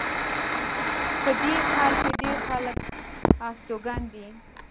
په دې ښار کې ډېر خلک استوګن دي